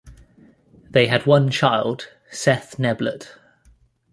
They had one child, Seth Neblett.